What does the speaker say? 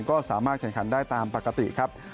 ก็สามารถแข่งขันได้ตามปกติครับ